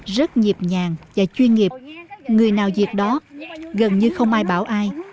rất nhịp nhàng và chuyên nghiệp người nào việc đó gần như không ai bảo ai